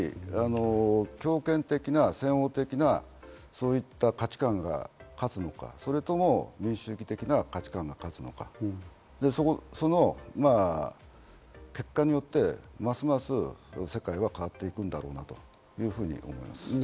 つまり強権的な、西欧的な、そういった価値感が勝つのか、それとも民主主義的な価値感が勝つのか、その結果によって、ますます世界は変わっていくんだろうなとは思います。